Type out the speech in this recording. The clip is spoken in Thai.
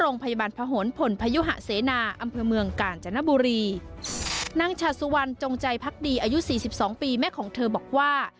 นางชาสุวรรณจงใจพักดีอายุ๔๒ปีแม่ของเธอบอกว่า